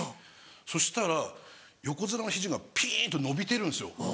そしたら横綱の肘がピンと伸びてるんですよ。